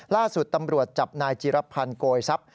ล่าสุดตำรวจจับนายจิรพันธ์โกยทรัพย